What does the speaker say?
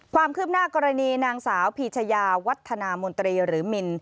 ความคืบหน้ากรณีนางสาวพีชยาวัฒนามนตรีหรือมิน